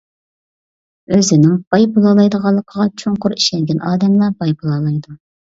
ئۆزىنىڭ باي بولالايدىغانلىقىغا چوڭقۇر ئىشەنگەن ئادەملا باي بولالايدۇ.